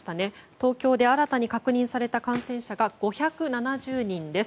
東京で新たに確認された感染者が５７０人です。